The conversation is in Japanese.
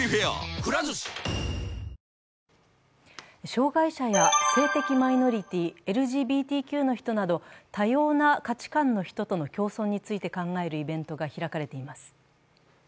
障害者や性的マイノリティー＝ＬＧＢＴＱの人など多様な価値観の人との共存について考えるイベントが開かれています。